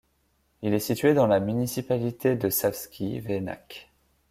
Il est situé dans la municipalité de Savski venac.